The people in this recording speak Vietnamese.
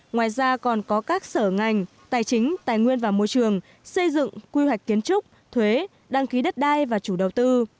ngoài ra còn có các sở ngành tài chính tài nguyên và môi trường xây dựng quy hoạch kiến trúc thuế đăng ký đất đai và chủ đầu tư